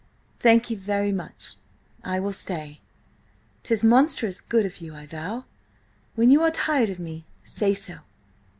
"Thank you very much, I will stay. 'Tis monstrous good of you, I vow. When you are tired of me, say so."